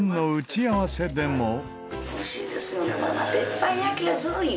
おいしいですよね。